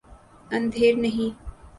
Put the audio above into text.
اندھیر نہیں۔